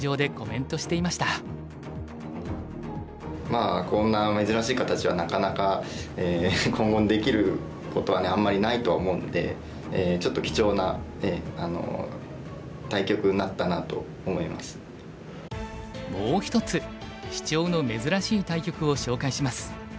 まあこんな珍しい形はなかなか今後できることはあんまりないとは思うんでちょっともう一つシチョウの珍しい対局を紹介します。